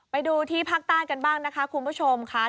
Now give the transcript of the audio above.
ไปดูที่ภาคต้านกันบ้างคุณผู้ชมค่ะ